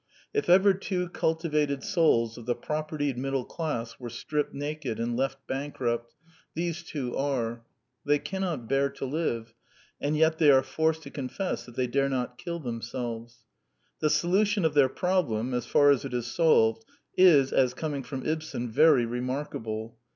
If ever two cul tivated souls of the propertied middle class were stripped naked and left bankrupt, these two are. They cannot bear to live ; and yet they are forced to confess that they dare not kill themselves. The solution of their problem, as far as it is solved, is, as coming from Ibsen, very remarkable.